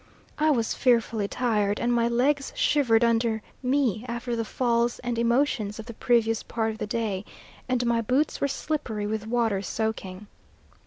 I was fearfully tired, and my legs shivered under me after the falls and emotions of the previous part of the day, and my boots were slippery with water soaking.